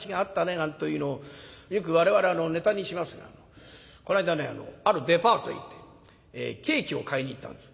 なんというのをよく我々ネタにしますがこの間ねあるデパートへ行ってケーキを買いに行ったんです。